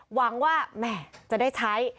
หวังว่าแม่จะได้ใช้